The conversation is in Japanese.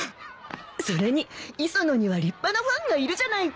それに磯野には立派なファンがいるじゃないか。